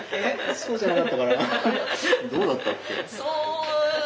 そうだったかな？